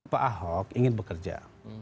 pak ahok ingin bekerja